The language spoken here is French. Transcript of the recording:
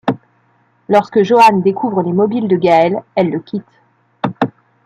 Lorsque Joan découvre les mobiles de Gael, elle le quitte.